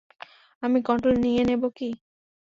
আমি কন্ট্রোল নিয়ে নেব কী?